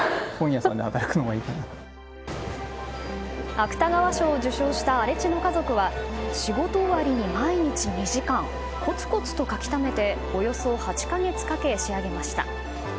芥川賞を受賞した「荒地の家族」は仕事終わりに毎日２時間こつこつと書き溜めておよそ８か月かけ仕上げました。